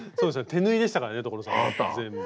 手縫いでしたからね所さん全部。